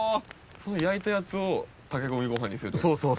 その焼いたやつを竹込みごはんにすると。